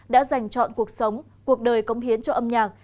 đã dành chọn cuộc sống cuộc đời công hiến cho âm nhạc